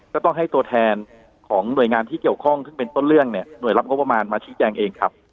ก็ต้องให้ตัวแทนของหน่วยงานที่เกี่ยวข้องซึ่งเป็นต้นเรื่องเนี่ยหน่วยรับงบประมาณมาชี้แจงเองครับ